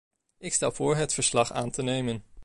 Ik stel voor het verslag aan te nemen.